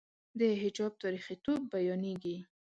د حجاب تاریخيتوب بیانېږي.